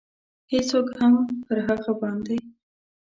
هېڅوک هم پر هغه باندې.